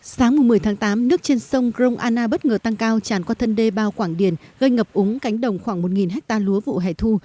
sáng một mươi tháng tám nước trên sông grong anna bất ngờ tăng cao tràn qua thân đê bao quảng điền gây ngập úng cánh đồng khoảng một ha lúa vụ hẻ thu